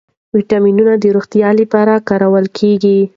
ویټامینونه د روغتیا لپاره کارول کېږي.